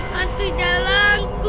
hantu jalan ku